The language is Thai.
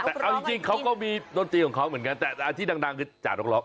เอาจริงของเขาก็มีสมุทรจีกของเขาเหมือนกันแต่ที่ดังคือจากนกร้อง